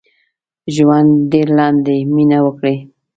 ژوند ډېر لنډ دي مينه وکړئ